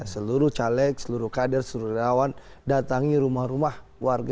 seluruh caleg seluruh kader seluruh relawan datangi rumah rumah warga